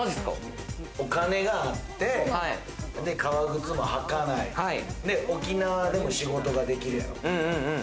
お金があって、革靴も履かない、沖縄でも仕事ができる。